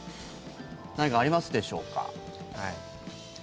何かありますでしょうか？